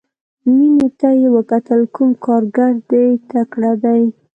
مينې ته يې وکتل کوم کارګر دې تکړه دى.